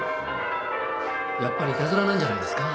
やっぱりいたずらなんじゃないですか？